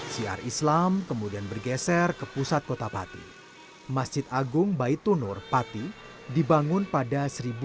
siar islam kemudian bergeser ke pusat kota pati masjid agung baitunur pati dibangun pada